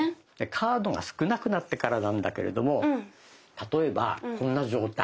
カードが少なくなってからなんだけれども例えばこんな状態。